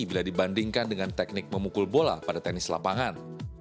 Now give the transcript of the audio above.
bila dibandingkan dengan teknik memukul bola pada tenis lapangan